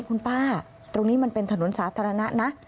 คุณป้าตรงนี้มันเป็นถนนสาธารณะนะ